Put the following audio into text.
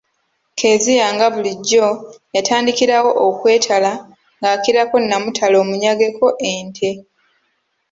Kezia nga bulijjo yatandikirawo okwetala ng'akirako nnamutale omunyageko ente.